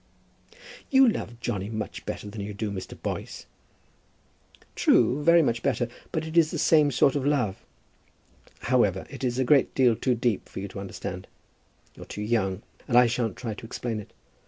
"You love Johnny much better than you do Mr. Boyce." "True; very much better; but it is the same sort of love. However, it is a great deal too deep for you to understand. You're too young, and I shan't try to explain it.